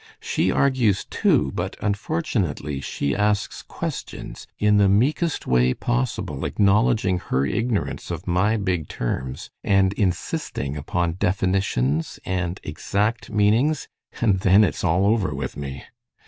She argues, too, but unfortunately she asks questions, in the meekest way possible acknowledging her ignorance of my big terms, and insisting upon definitions and exact meanings, and then it's all over with me.